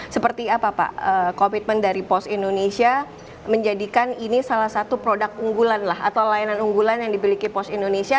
seperti apa pak komitmen dari pos indonesia menjadikan ini salah satu produk unggulan lah atau layanan unggulan yang dimiliki pos indonesia